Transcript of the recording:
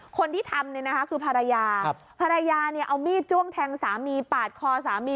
คนที่ทำเนี่ยนะคะคือภรรยาภรรยาเนี่ยเอามีดจ้วงแทงสามีปาดคอสามี